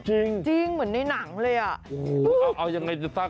จริงจริงเหมือนในหนังเลยอ่ะโอ้โหเอาเอายังไงจะซัก